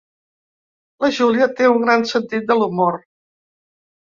La Júlia té un gran sentit de l'humor.